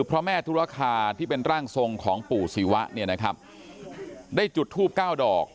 พระแม่ธุรคาที่เป็นร่างทรงของปู่ศิวะเนี่ยนะครับได้จุดทูบเก้าดอก